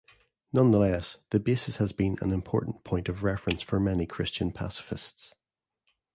Nonetheless the Basis has been an important point of reference for many Christian pacifists.